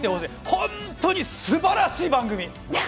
本当に素晴らしい番組！